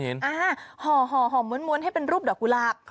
เห็นห่อเหมือนมวลให้เป็นรูปดอกกุหลาบ